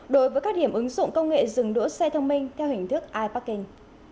đối với các điểm ứng dụng công nghệ dừng đỗ xe thông minh theo hình thức iparking